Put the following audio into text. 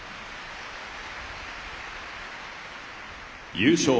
優勝